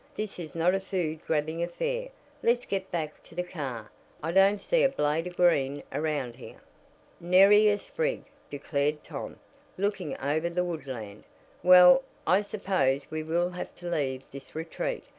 This is not a food grabbing affair. Let's get back to the car. I don't see a blade of green around here." "Nary a sprig," declared Tom, looking over the woodland. "Well, I suppose we will have to leave this retreat.